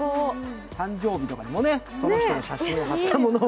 誕生日とかにもね、その人の写真を貼ったものを。